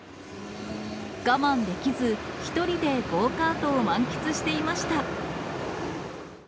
我慢できず、１人でゴーカートを満喫していました。